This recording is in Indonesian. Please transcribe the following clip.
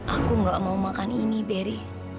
aku gak mau makan ini berry